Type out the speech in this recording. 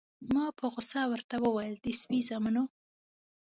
ما په غوسه ورته وویل: د سپي زامنو.